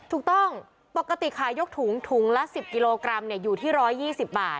ถูกต้องปกติขายกถุงถุงละ๑๐กิโลกรัมอยู่ที่๑๒๐บาท